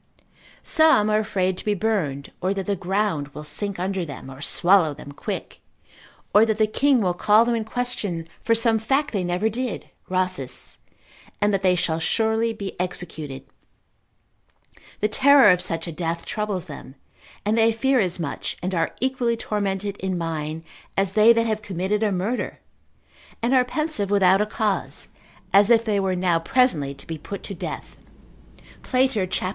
Some are afraid to be burned, or that the ground will sink under them, or swallow them quick, or that the king will call them in question for some fact they never did (Rhasis cont.) and that they shall surely be executed. The terror of such a death troubles them, and they fear as much and are equally tormented in mind, as they that have committed a murder, and are pensive without a cause, as if they were now presently to be put to death. Plater, cap.